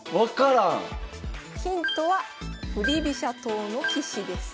ヒントは振り飛車党の棋士です。